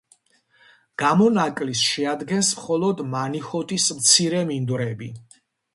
გამონაკლისს შეადგენს მხოლოდ მანიჰოტის მცირე მინდვრები.